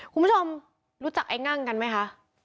คุณผู้ชมรู้จักไอ้งั่งกันไหมคะ